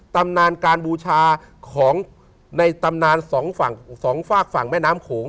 ตำนานการบูชาของในตำนานสองฝั่งสองฝากฝั่งแม่น้ำโขง